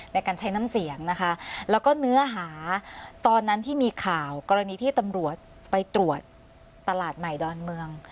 ในการใช้น้ำเสียงนะคะแล้วก็เนื้อหาตอนนั้นที่มีข่าวกรณีที่ตำรวจไปตรวจตลาดใหม่ดอนเมือง